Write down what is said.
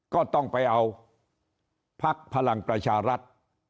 ก็ต้องไปเอาพักพลังประชารัฐ